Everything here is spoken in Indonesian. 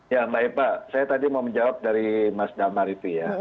ya mbak eva saya tadi mau menjawab dari mas damar itu ya